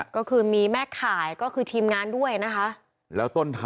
ก็คือคุณเม